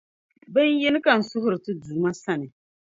Bin’ yini ka n suhiri Ti Duuma sani.